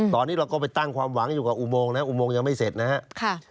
ตอนนี้เราก็ไปตั้งความหวังอยู่กับอุโมงนะอุโมงยังไม่เสร็จนะครับ